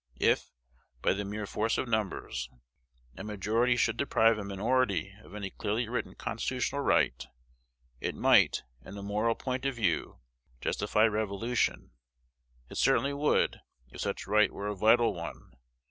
If, by the mere force of numbers, a majority should deprive a minority of any clearly written constitutional right, it might, in a moral point of view, justify revolution: it certainly would, if such right were a vital one.